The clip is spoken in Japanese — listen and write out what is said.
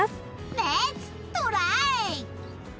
レッツトライ！